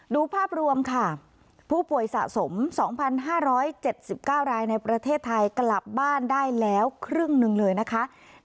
ดูภาพรวมค่ะผู้ป่วยสะสม๒๕๗๙รายในประเทศไทยกลับบ้านได้แล้วครึ่งหนึ่งเลยนะคะ